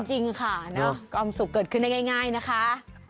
จริงค่ะความสุขเกิดขึ้นได้ง่ายนะคะ